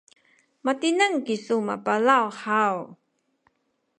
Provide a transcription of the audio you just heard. matineng kisu mapalaw haw?